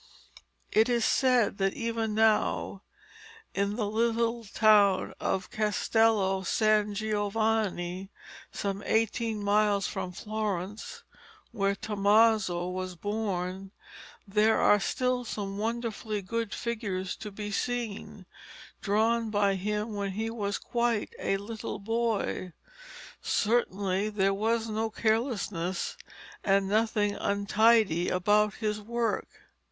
It is said that even now, in the little town of Castello San Giovanni, some eighteen miles from Florence, where Tommaso was born, there are still some wonderfully good figures to be seen, drawn by him when he was quite a little boy. Certainly there was no carelessness and nothing untidy about his work.